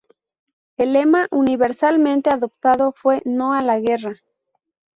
El lema universalmente adoptado fue ¡No a la guerra!.